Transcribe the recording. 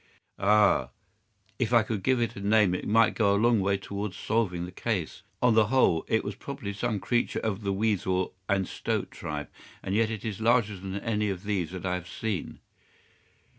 "Ah, if I could give it a name it might go a long way towards solving the case. On the whole, it was probably some creature of the weasel and stoat tribe—and yet it is larger than any of these that I have seen."